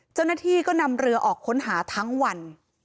เจ้าหน้าที่ก็นำเรือออกค้นหาทั้งวัน